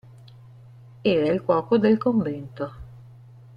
Era il cuoco del convento.